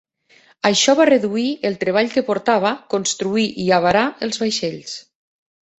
Això va reduir el treball que portava construir i avarar els vaixells.